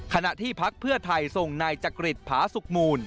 คณะที่ภักดิ์เพื่อไทยทรงนายจกริษผาสุกมูล